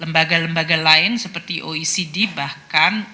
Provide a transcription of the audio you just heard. lembaga lembaga lain seperti oecd bahkan